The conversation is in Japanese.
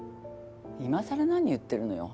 今さら何言ってるのよ。